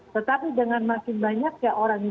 tetapi dengan makin banyak orang yang